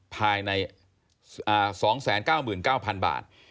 ภายใน๒๙๙๐๐บาท